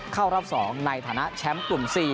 เข้ารอบ๒ในฐานะแชมป์กลุ่ม๔